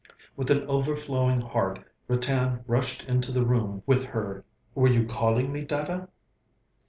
With an overflowing heart Ratan rushed into the room with her 'Were you calling me, Dada?'